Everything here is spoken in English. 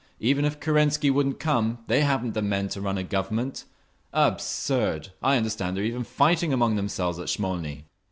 Even if Kerensky wouldn't come they haven't the men to run a Government. Absurd! I understand they're even fighting among themselves at Smolny!"